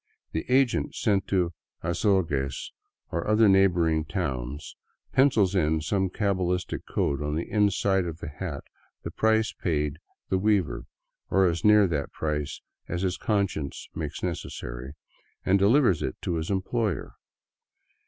The agent sent to Azogues or other neighboring towns pencils in some cabalistic code on the inside of the hat the price paid the weaver — or as near that price as his conscience makes necessary — and delivers it to his employer.